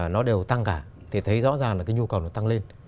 nó đều tăng cả thì thấy rõ ràng là cái nhu cầu nó tăng lên